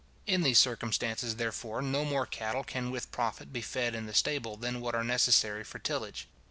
In these circumstances, therefore, no more cattle can with profit be fed in the stable than what are necessary for tillage.